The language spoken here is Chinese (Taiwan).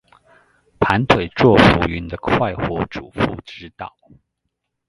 盤腿坐浮雲的快活主婦之道